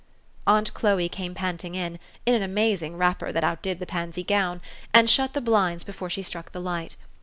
" Aunt Chloe came panting in (in an amazing wrap per that outdid the pansy gown) , and shut the blinds before she struck the light.